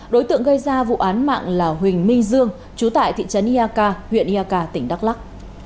đối tượng gây ra vụ án mạng là huỳnh minh dương trú tại thị trấn ia ca huyện ia ca tỉnh đắk lắc